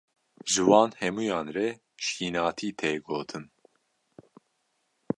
Ji wan hemûyan re şînatî tê gotin.